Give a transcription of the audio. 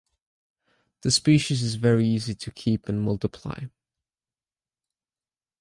The species is very easy to keep and multiply.